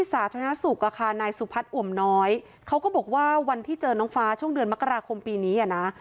คือทางเจ้าหน้าที่สาธารณสุขคานายสุพัติอ่มน้อยเขาก็บอกว่าวันที่เจอน้องฟ้าช่วงเดือนมกราคมปีนี้อะนะ